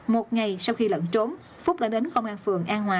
một ngày sau khi lẫn trốn phúc đã đến công an phường an hòa